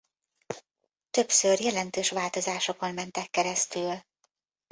Többször jelentős változásokon mentek keresztül.